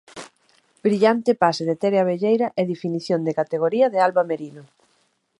Brillante pase de Tere Abelleira e definición de categoría de Alba Merino.